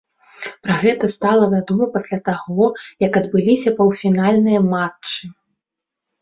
Пра гэта стала вядома пасля таго, як адбыліся паўфінальныя матчы.